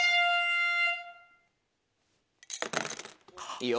いいよ。